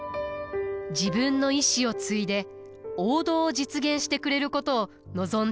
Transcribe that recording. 自分の意志を継いで王道を実現してくれることを望んでいたのです。